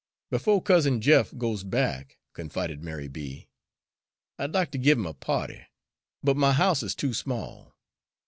"Befo' Cousin Jeff goes back," confided Mary B., "I'd like ter give 'im a party, but my house is too small.